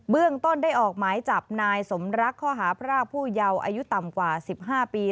เรื่องต้นได้ออกหมายจับนายสมรักข้อหาพรากผู้เยาว์อายุต่ำกว่า๑๕ปี